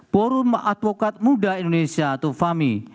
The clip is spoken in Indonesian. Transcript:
forum maadvokat muda indonesia atau fami